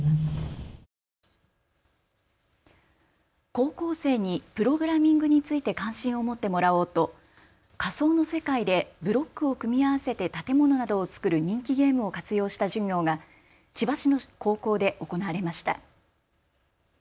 高校生にプログラミングについて関心を持ってもらおうと仮想の世界でブロックを組み合わせて建物などをつくる人気ゲームを活用した授業が千葉市の高校で行われました。